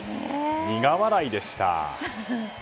苦笑いでした。